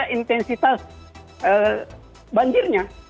dan juga intensitas banjirnya